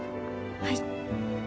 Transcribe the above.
はい。